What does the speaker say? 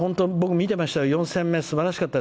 見てました。